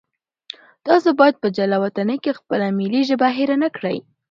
تاسو باید په جلاوطنۍ کې خپله ملي ژبه هېره نه کړئ.